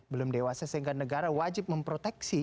belum dewasa sehingga negara wajib memproteksi